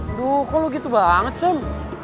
aduh kok lo gitu banget sam